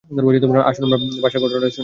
আসুন, আমরা তার ভাষায় ঘটনাটি শুনি।